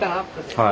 はい。